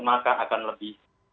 maka akan lebih